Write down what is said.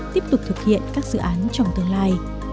tiếp tục thực hiện các dự án trong tương lai